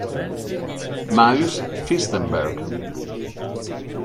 Mariusz Fyrstenberg